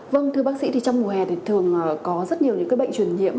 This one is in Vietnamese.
vâng thưa bác sĩ thì trong mùa hè thì thường có rất nhiều những bệnh truyền nhiễm